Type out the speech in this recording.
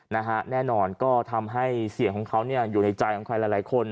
แน่นอนก็ทำให้เสียงของเขาเนี่ยอยู่ในใจของใครหลายคน